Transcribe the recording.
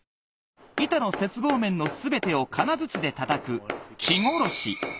板の接合面の全てを金づちで叩く。